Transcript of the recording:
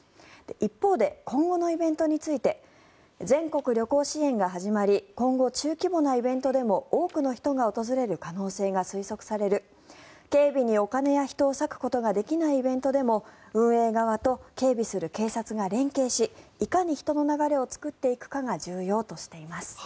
一方で、今後のイベントについて全国旅行支援が始まり今後、中規模なイベントでも多くの人が訪れる可能性が推測される警備にお金や人を割くことができないイベントでも運営側と警備する警察が連携しいかに人の流れを作っていくかが重要としています。